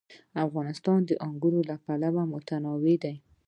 افغانستان د انګور له پلوه متنوع دی.